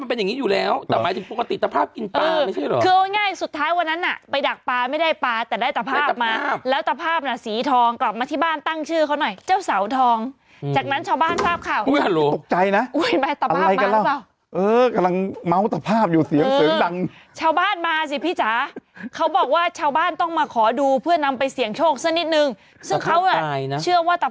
พระยายเย็นน่ะคุณแม่ก็โทรหาเขาเอาเลยพระเอกดวงพระยายเย็นน่ะคุณแม่ก็โทรหาเขาเอาเลยพระเอกดวงพระยายเย็นน่ะคุณแม่ก็โทรหาเขาเอาเลยพระเอกดวงพระยายเย็นน่ะคุณแม่ก็โทรหาเขาเอาเลยพระเอกดวงพระยายเย็นน่ะคุณแม่ก็โทรหาเขาเอาเลยพระเอกดวงพระยายเย็นน่ะคุณแม่ก็โทรหาเขาเอาเลย